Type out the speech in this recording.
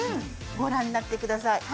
御覧になってください。